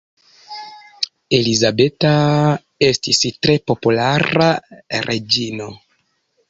Elizabeta estis tre populara reĝino.